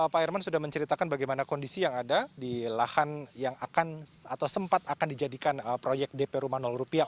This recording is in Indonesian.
pak herman sudah menceritakan bagaimana kondisi yang ada di lahan yang akan atau sempat akan dijadikan proyek dp rumah rupiah